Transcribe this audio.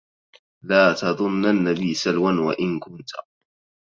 لا تظنن بي سلوا وإن كنت